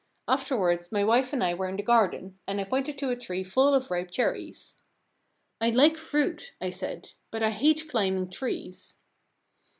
Afterwards my wife and I were in the garden, and I pointed to a tree full of ripe cherries. *" I Hke fruit," I said, " but I hate climb ing trees."